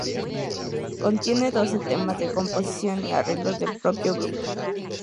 Contiene doce temas de composición y arreglos del propio grupo.